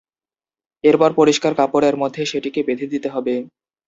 এরপর পরিষ্কার কাপড়ের মধ্যে নিয়ে সেটিকে বেঁধে দিতে হবে।